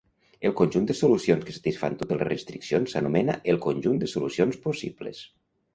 El conjunt de solucions que satisfan totes les restriccions s'anomena el conjunt de solucions possibles.